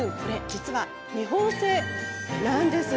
実は日本製なんです。